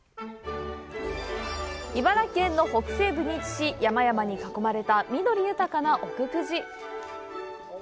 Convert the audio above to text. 茨城県の北西部に位置し、山々に囲まれた緑豊かな「奥久慈」。